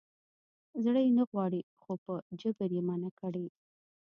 زړه یې نه غواړي خو په جبر یې منع نه کړي.